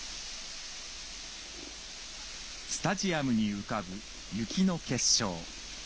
スタジアムに浮かぶ雪の結晶。